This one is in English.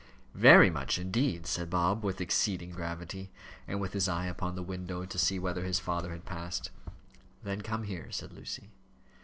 "Very much indeed," said Bob, with exceeding gravity, and with his eye upon the window to see whether his father had passed. "Then come here," said Lucy.